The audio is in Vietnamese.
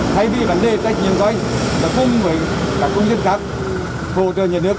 thay vì vấn đề tách nhiệm của anh là không phải cả công dân khác phổ trợ nhà nước